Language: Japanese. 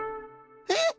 えっ！